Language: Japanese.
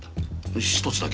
１つだけ。